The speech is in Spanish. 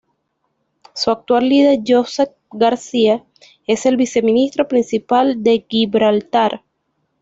Su actual líder, Joseph Garcia, es el viceministro principal de Gibraltar.